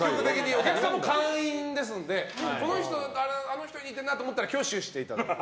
お客さんも会員ですのであの人に似てるなって思ったら挙手していただいて。